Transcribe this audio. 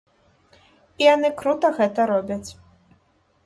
І яны крута гэта робяць.